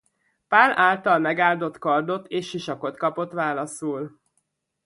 Pál által megáldott kardot és sisakot kapott válaszul.